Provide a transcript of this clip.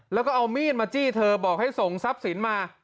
แล้วก็เอามีดมาจี้เธอบอกให้ส่งทรัพย์สินมา